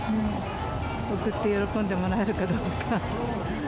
贈って喜んでもらえるかどうか。